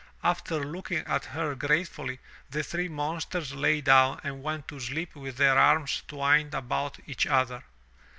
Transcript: After looking at her gratefully, the three monsters lay down and went to sleep with their arms twined about each other.